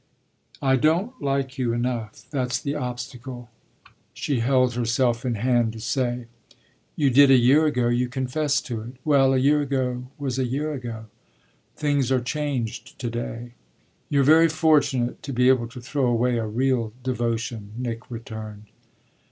"I don't like you enough that's the obstacle," she held herself in hand to say. "You did a year ago; you confessed to it." "Well, a year ago was a year ago. Things are changed to day." "You're very fortunate to be able to throw away a real devotion," Nick returned.